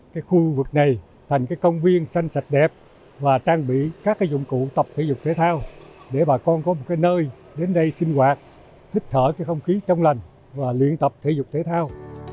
cái khu vực này thành cái công viên xanh sạch đẹp và trang bị các cái dụng cụ tập thể dục thể thao để bà con có một cái nơi đến đây sinh hoạt thích thở cái không khí trong lành và luyện tập thể dục thể thao